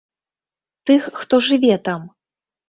Тых, хто жыве там.